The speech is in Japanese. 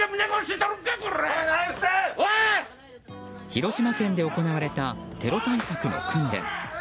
広島県で行われたテロ対策の訓練。